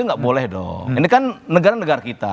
nggak boleh dong ini kan negara negara kita